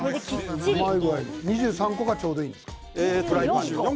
２３個がちょうどいいんですか？